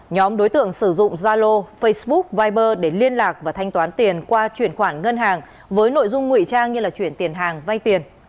nhóm đối tượng sử dụng zalo facebook viber để liên lạc và thanh toán tiền qua chuyển khoản ngân hàng với nội dung ngụy trang như là chuyển tiền hàng vay tiền